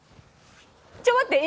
ちょっと待って！